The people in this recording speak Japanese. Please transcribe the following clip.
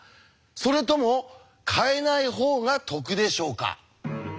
それとも変えない方が得でしょうか？